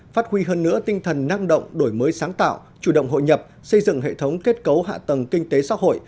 phát huy hơn nữa tinh thần năng động đổi mới sáng tạo chủ động hội nhập xây dựng hệ thống kết cấu hạ tầng kinh tế xã hội